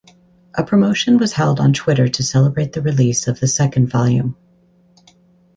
A promotion was held on Twitter to celebrate the release of the second volume.